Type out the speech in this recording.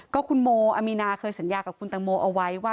ก็คุณโมอามีนาเคยสัญญากับคุณตังโมเอาไว้ว่า